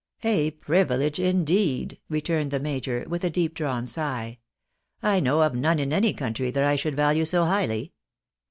" A privilege, indeed !" returned the major, with a deep drawn sigh ;" I know of none in any country that I should value so highly."